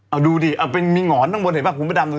เอาดูดิเอาเป็นมีหงอนตรงบนเห็นป่ะผมไปดำตรงนี้